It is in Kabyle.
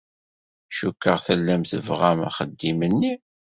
Cukkeɣ tellam tebɣam axeddim-nni.